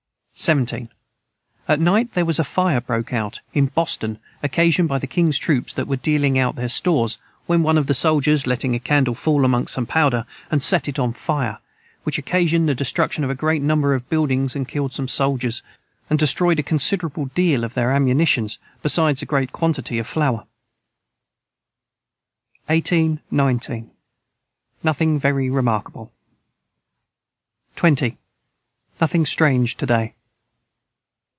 17. At night their was a fire broke out in Boston ocationed by the kings troops that were a dealing out their Stores when one of the Soldiers letting a candle fall amongst some powder and set it on fire which ocationed the Destruction of a great number of Buildings and killed some Soldiers and destroyed a considerable deal of their amunition Besides a great quantity of flower. 18, 19. Nothing very remarkable. 20. Nothing strange to day.